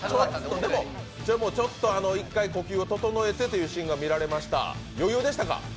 でも１回、呼吸を整えてというシーンが見られました、余裕でしたか？